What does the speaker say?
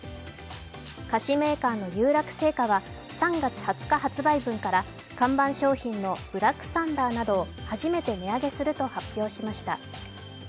菓子メーカーの有楽製菓は３月２０日発売分から看板商品のブラックサンダーなどを初めて値上げすると発表しました。